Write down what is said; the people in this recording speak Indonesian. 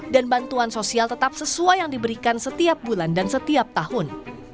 dan bantuan sosial tetap sesuai yang diberikan setiap bulan dan setiap tahun